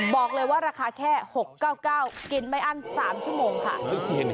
บอกเลยว่าราคาแค่๖๙๙กินไม่อั้น๓ชั่วโมงค่ะ